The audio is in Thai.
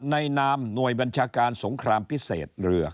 นามหน่วยบัญชาการสงครามพิเศษเรือ